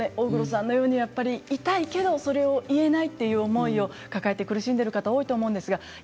痛いけれどそれが言えないという思いを抱えて苦しんでいる方が多いと思います。